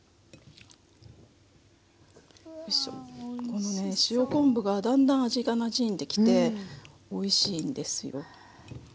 このね塩昆布がだんだん味がなじんできておいしいんですよ。